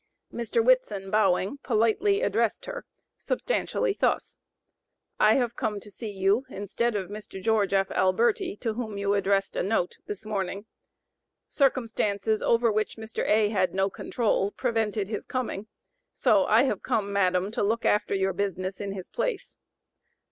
Mr. Whitson bowing, politely addressed her, substantially thus: "I have come to see you instead of Mr. Geo. F. Alberti, to whom you addressed a note, this morning. Circumstances, over which Mr. A. had no control, prevented his coming, so I have come, madam, to look after your business in his place.